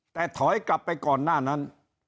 แต่ถอยกลับไปก่อนหน้านั้น